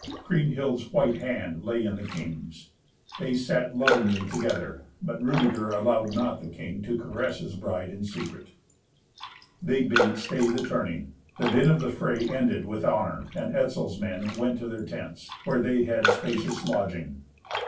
Kriemhild's white hand lay in the king's. They sat lovingly together, but Rudeger allowed not the king to caress his bride in secret. They bade stay the tourney. The din of the fray ended with honour, and Etzel's men went to their tents, where they had spacious lodging.